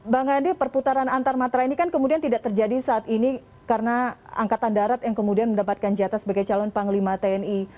bang andi perputaran antarmatra ini kan kemudian tidak terjadi saat ini karena angkatan darat yang kemudian mendapatkan jatah sebagai calon panglima tni